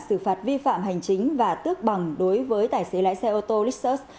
xử phạt vi phạm hành chính và tước bằng đối với tài xế lái xe ô tô lixus